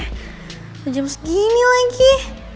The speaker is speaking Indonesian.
udah jam segini lagi